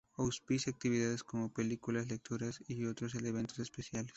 Auspicia actividades como películas lecturas y otros eventos especiales.